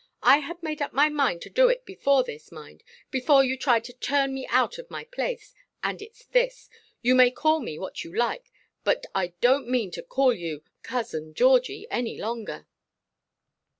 I had made up my mind to it before this, mind—before you tried to turn me out of my place—and itʼs this. You may call me what you like, but I donʼt mean to call you 'Cousin Georgie' any longer.